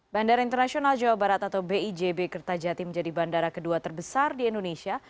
bandara internasional jawa barat atau bijb kertajati menjadi bandara kedua terbesar di indonesia